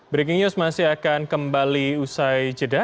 breaking news masih akan kembali usai jeda